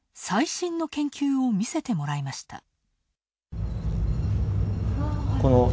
最新の研究を見せてもらいました。